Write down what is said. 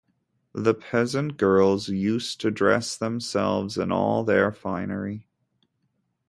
The peasant girls used to dress themselves in all their finery.